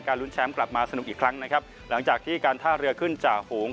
ลุ้นแชมป์กลับมาสนุกอีกครั้งนะครับหลังจากที่การท่าเรือขึ้นจ่าฝูง